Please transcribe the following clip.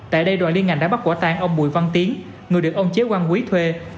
tại đây đoàn liên ngành đã bắt quả tan ông bùi văn tiến người được ông chế quang quý thuê